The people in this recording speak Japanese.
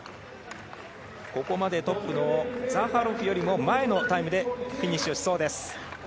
ここまでトップのザハロフよりも前のタイムでフィニッシュ。